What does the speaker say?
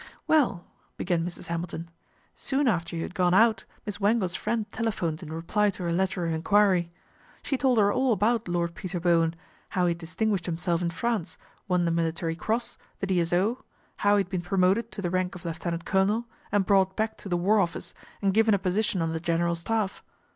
' Well," began Mrs. Hamilton, " soon after you had gone out Miss Wangle's friend telephoned in reply to her letter of enquiry. She told her all about Lord Peter Bowen, how he had distin guished himself in France, won the Military Cross, the D.S.O., how he had been promoted to the rank of lieutenant colonel, and brought back to the War Office and given a position on the General Staff.